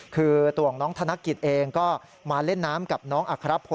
คือตัวของน้องธนกิจเองก็มาเล่นน้ำกับน้องอัครพล